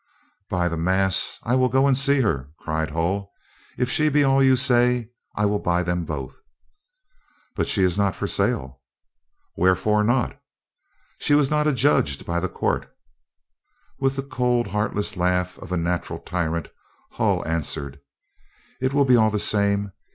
"By the mass! I will go and see her," cried Hull. "If she be all you say, I will buy them both." "But she is not for sale." "Wherefore not?" "She was not adjudged by the court." With the cold, heartless laugh of a natural tyrant, Hull answered: "It will be all the same.